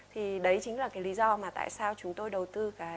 thì đấy chính là cái lý do mà tại sao chúng tôi đầu tư